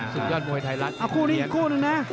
สุดยอดมวยไทยรัฐเป็นใบดา